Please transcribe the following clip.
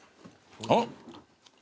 あっ！